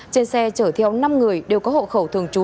trên xe chở theo năm người đều có hộ khẩu thường trú